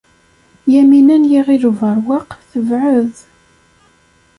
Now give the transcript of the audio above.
Yamina n Yiɣil Ubeṛwaq tebɛed.